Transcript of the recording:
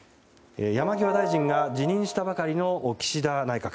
山際大臣が辞任したばかりの岸田内閣。